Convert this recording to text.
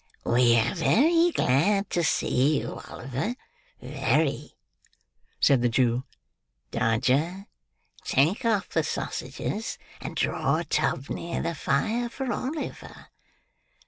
"We are very glad to see you, Oliver, very," said the Jew. "Dodger, take off the sausages; and draw a tub near the fire for Oliver.